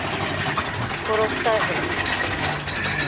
殺したいほどむかつくでしょ。